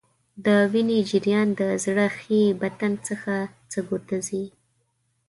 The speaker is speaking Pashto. د وینې جریان د زړه ښي بطن څخه سږو ته ځي.